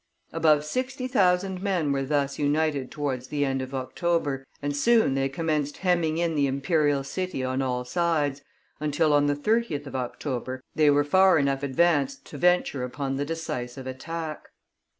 Above sixty thousand men were thus united towards the end of October, and soon they commenced hemming in the imperial city on all sides, until, on the 30th of October, they were far enough advanced to venture upon the decisive attack.